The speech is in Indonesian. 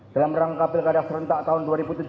dalam rangkapi lekadah serentak tahun dua ribu tujuh belas